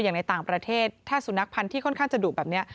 อย่างในต่างประเทศถ้าสุนัขพันธ์ที่ค่อนข้างจะดุแบบนี้